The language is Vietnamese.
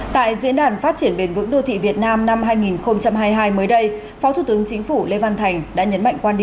tại diễn đàn phát triển bền vững đô thị việt nam năm hai nghìn hai mươi hai mới đây phó thủ tướng chính phủ lê văn thành đã nhấn mạnh quan điểm